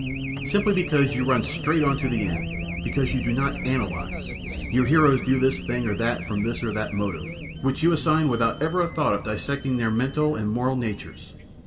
Simply because you run straight on to the end; because you do not analyze. Your heroes do this thing or that from this or that motive, which you assign without ever a thought of dissecting their mental and moral natures.